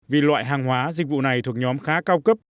vì loại hàng hóa dịch vụ này thuộc nhóm khá cao cấp